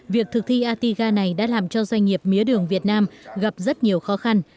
việc thực thi atiga này đã làm cho doanh nghiệp mía đường việt nam gặp rất nhiều khó khăn